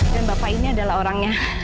bapak ini adalah orangnya